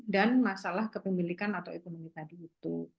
dan masalah kepemilikan atau ekonomi tadi itu